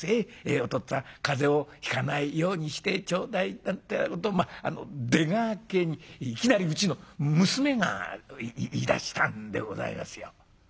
お父っつぁん風邪をひかないようにしてちょうだい』なんてなことを出がけにいきなりうちの娘が言いだしたんでございますよ」。